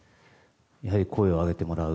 やはり、声を上げてもらう。